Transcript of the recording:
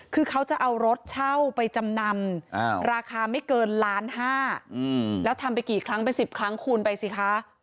คือเค้าจะเอารถเช่าไปจำนำราคาไม่เกินล้านห้า